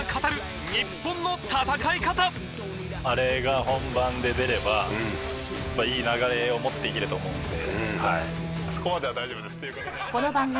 あれが本番で出ればいい流れを持っていけると思うのではい。